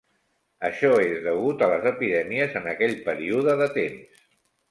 Això és degut a les epidèmies en aquell període de temps.